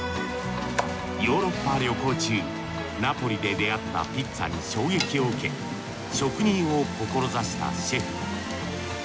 ヨーロッパ旅行中ナポリで出会ったピッツァに衝撃を受け職人を志したシェフ。